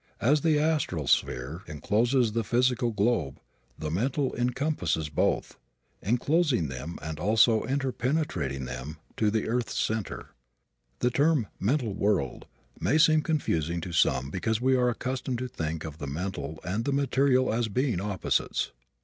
As the astral sphere encloses the physical globe, the mental encompasses both, enclosing them and also interpenetrating them to the earth's center. The term "mental world" may seem confusing to some because we are accustomed to think of the mental and the material as being opposites.